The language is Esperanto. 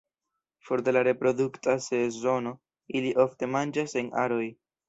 For de la reprodukta sezono ili ofte manĝas en aroj.